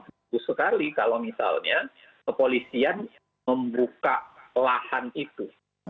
bagus sekali kalau misalnya kepolisian membuka lahan itu